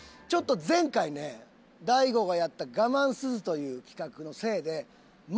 ちょっと前回ね大悟がやった「ガマンすず」という企画のせいで。